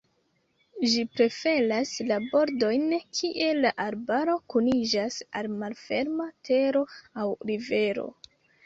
Ĝi preferas la bordojn kie la arbaro kuniĝas al malferma tero aŭ rivero.